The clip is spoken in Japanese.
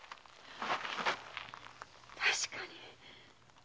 確かに！